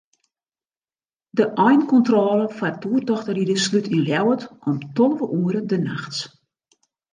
De einkontrôle foar toertochtriders slút yn Ljouwert om tolve oere de nachts.